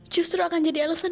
justru akan jadi alasan